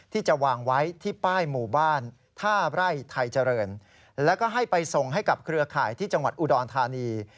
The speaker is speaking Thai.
ที่จะวางไว้ที่ป้ายหมู่บ้านท่าไร่ไทยเจริญแล้วก็ให้ไปส่งให้กับเครือข่ายที่จังหวัดอุดรธานี